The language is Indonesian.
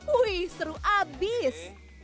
wih seru abis